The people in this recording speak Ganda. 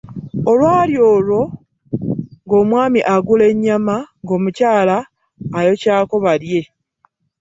Olwali olwo ng’omwami agula nnyama, ng’omukyala ayokyako balye.